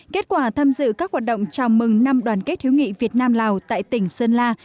kết quả tham dự các hoạt động chào mừng năm đoàn kết hiếu nghị việt nam lào tại tỉnh sơn la